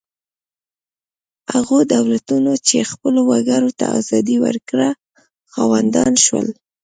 هغو دولتونو چې خپلو وګړو ته ازادي ورکړه خاوندان شول.